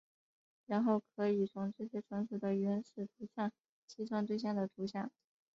然后可以从这些存储的原始图像计算对象的图像。